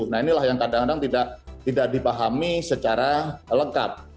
nah inilah yang kadang kadang tidak dipahami secara lengkap